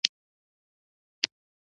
ستا امر ته ماتله يو.